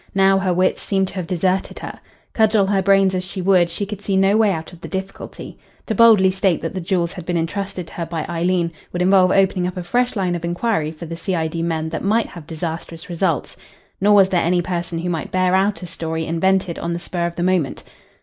Now her wits seemed to have deserted her. Cudgel her brains as she would, she could see no way out of the difficulty. To boldly state that the jewels had been entrusted to her by Eileen would involve opening up a fresh line of inquiry for the C.I.D. men that might have disastrous results. Nor was there any person who might bear out a story invented on the spur of the moment.